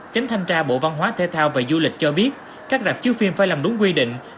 tránh thanh tra bộ văn hóa thể thao và du lịch cho biết các rạp chiếu phim phải làm đúng quy định